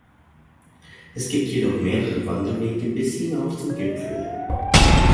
Es gibt jedoch mehrere Wanderwege bis hinauf zum Gipfel.